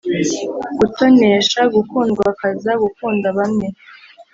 gutonesha: gukundwakaza, gukunda bamwe.